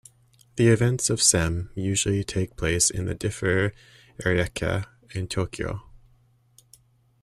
The events of Sem usually take place in the Differ Ariake in Tokyo.